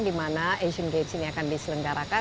dimana asian games ini akan diselenggarakan